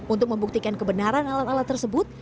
untuk membuktikan kebenaran alat alat tersebut